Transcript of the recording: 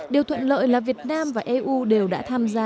điều thuận lợi là việt nam và eu đều đã tham gia